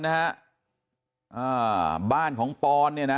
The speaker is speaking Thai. ห้าบ้านของปรน